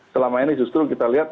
selama ini justru kita lihat